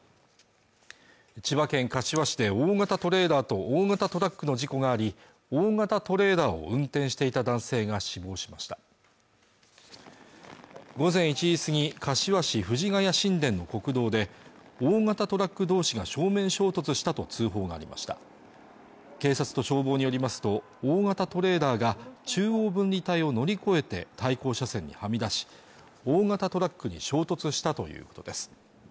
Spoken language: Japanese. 千葉県柏市で大型トレーラーと大型トラックの事故があり大型トレーラーを運転していた男性が死亡しました午前１時過ぎ柏市藤ケ谷新田の国道で大型トラック同士が正面衝突したと通報がありました警察と消防によりますと大型トレーラーが中央分離帯を乗り越えて対向車線にはみ出し大型トラックに衝突したということです